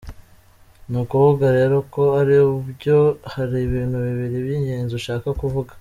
Ni kuvuga rero ko ari ibyo, hari ibintu bibiri by’ingenzi nshaka kuvuga.